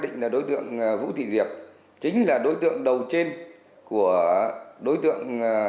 bắt số đối tượng ở kiên giang tiền giang chưa đạt động gì đến nhóm của diệp